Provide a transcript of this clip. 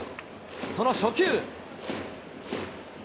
その初球。